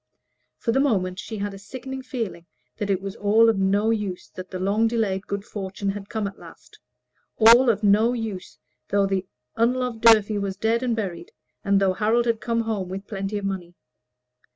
For the moment she had a sickening feeling that it was of no use that the long delayed good fortune had come at last all of no use though the unloved Durfey was dead and buried, and though Harold had come home with plenty of money.